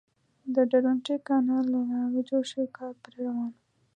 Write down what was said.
د درونټې کانال لا نه و جوړ شوی کار پرې روان و.